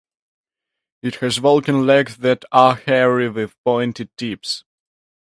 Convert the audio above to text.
It has walking legs that are hairy with pointed tips.